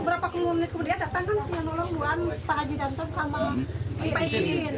berapa menit kemudian datang kan punya nolong duaan pak haji dantan sama pak irin